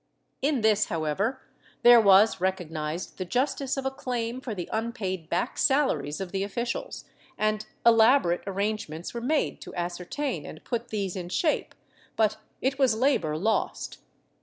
^ In this, however, there was recognized the justice of a claim for the unpaid back salaries of the officials, and elaborate arrangements were made to ascertain and put these in shape, but it was labor lost.